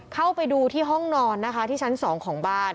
เข้าไปดูที่ห้องนอนนะคะที่ชั้น๒ของบ้าน